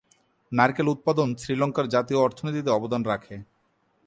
নারকেল উৎপাদন শ্রীলঙ্কার জাতীয় অর্থনীতিতে অবদান রাখে।